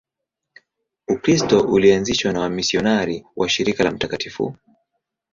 Ukristo ulianzishwa na wamisionari wa Shirika la Mt.